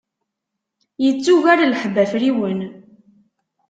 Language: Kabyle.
Yettugar lḥebb afriwen.